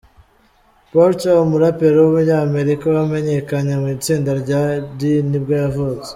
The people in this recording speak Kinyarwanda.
Porter, umuraperi w’umunyamerika wamenyekanye mu itsinda rya D nibwo yavutse.